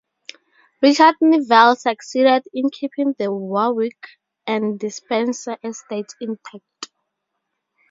Richard Neville succeeded in keeping the Warwick and Despencer estates intact.